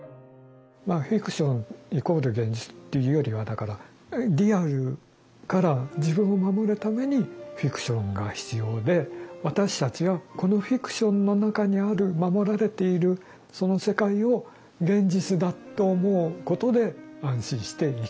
まあフィクション＝現実というよりはだからリアルから自分を守るためにフィクションが必要で私たちはこのフィクションの中にある守られているその世界を現実だと思うことで安心して生きていられる。